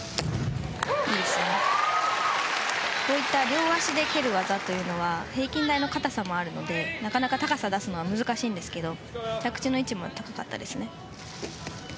両足で蹴る技というのは平均台の高さもあるのでなかなか高さを出すのは難しいんですが着地の位置も高かったですね。